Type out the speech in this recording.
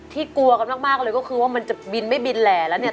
กลัวกันมากเลยก็คือว่ามันจะบินไม่บินแหล่แล้วเนี่ย